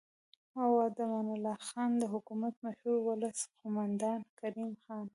او د امان الله خان د حکومت مشهور ولسي قوماندان کریم خان